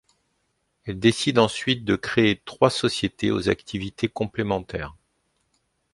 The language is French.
Elle décide ensuite de créer trois sociétés aux activités complémentaires.